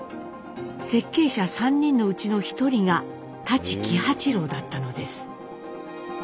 設計者３人のうちの１人が舘喜八郎だったのです。